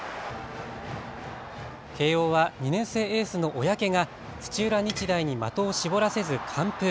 慶応は２年生エースの小宅が土浦日大に的を絞らせず完封。